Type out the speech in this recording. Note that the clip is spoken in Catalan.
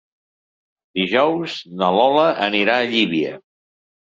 Dijous na Lola anirà a Llívia.